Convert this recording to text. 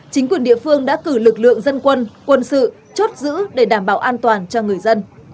chính quyền địa phương đã cử lực lượng dân quân quân sự chốt giữ để đảm bảo an toàn cho người dân